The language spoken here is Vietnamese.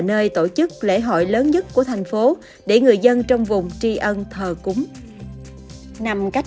nơi tổ chức lễ hội lớn nhất của thành phố để người dân trong vùng tri ân thờ cúng cách